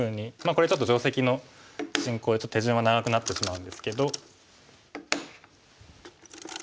これちょっと定石の進行で手順は長くなってしまうんですけど。